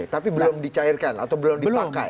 tapi belum dicairkan atau belum dipakai